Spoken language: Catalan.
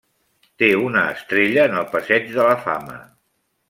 Té una estrella en el Passeig de la Fama.